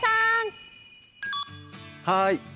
はい。